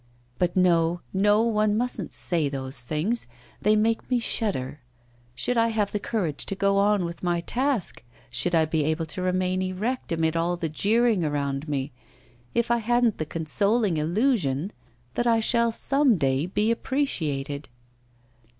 But no, no, one mustn't say those things; they make me shudder! Should I have the courage to go on with my task, should I be able to remain erect amid all the jeering around me if I hadn't the consoling illusion that I shall some day be appreciated?